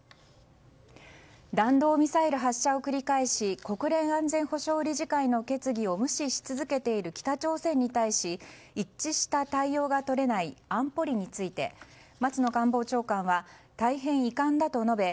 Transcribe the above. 弾道ミサイル発射を繰り返し国連安全保障理事会の決議を無視し続けている北朝鮮に対し一致した対応が取れない安保理について松野官房長官は大変遺憾だと述べ